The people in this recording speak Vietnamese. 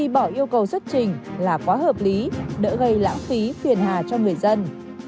bỏ yêu cầu xuất trình là quá hợp lý đỡ gây lãng phí phiền hà cho người dân